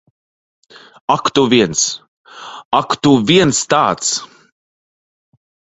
Ak tu viens. Ak, tu viens tāds!